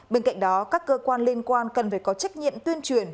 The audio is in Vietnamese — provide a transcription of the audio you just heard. bên cạnh đó các cơ quan liên quan cần phải có trách nhiệm tuyên truyền